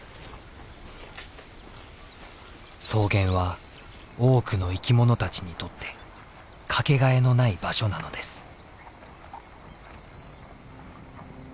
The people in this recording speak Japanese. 草原は多くの生き物たちにとって掛けがえのない場所なのです。